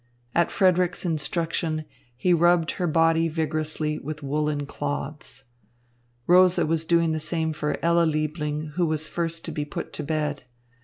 At Frederick's instruction, he rubbed her body vigorously with woollen cloths. Rosa was doing the same for Ella Liebling, who was the first to be put to bed.